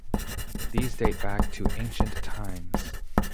These date back to ancient times.